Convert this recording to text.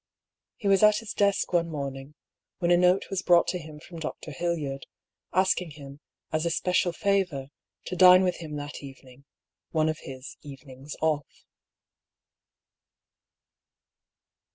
He was at his desk one morning, when a note was brought to him from Dr. Hildyard, asking him, as a special favour, to dine with him that evening (one of his " evenings off